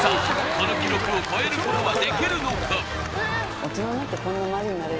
この記録を超えることはできるのか？